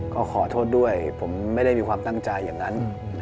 ก็ขอโทษด้วยผมไม่ได้มีความตั้งใจอย่างนั้น